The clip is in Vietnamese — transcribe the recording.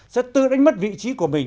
sẽ tư đánh mất vị trí của mình